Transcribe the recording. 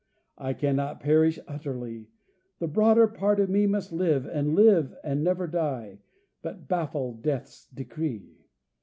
I cannot perish utterly ; The broader part of me must live, and live and never die, But baffle Death's decree